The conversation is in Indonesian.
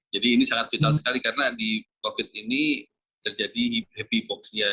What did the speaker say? jadi ini sangat vital sekali karena di covid ini terjadi heavy box nya